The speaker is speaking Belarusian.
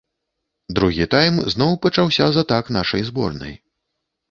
Другі тайм зноў пачаўся з атак нашай зборнай.